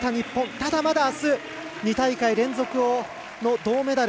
ただまだ、あす２大会連続の銅メダル。